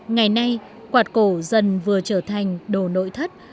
ngày nay quạt cổ dần vừa trở thành đồ nội thất